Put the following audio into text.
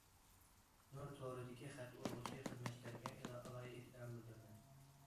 نۇر تورىدىكى خەت ئۇرغۇچى خىزمەتچىلەرگە ئالاھىدە ئېھتىرام بىلدۈرىمەن.